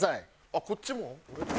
あっこっちも？